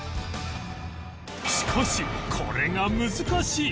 しかしこれが難しい！